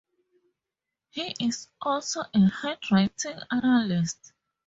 He is also a handwriting analyst.